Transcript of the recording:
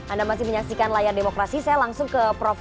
anda masih menyaksikan layar demokrasi saya langsung ke prof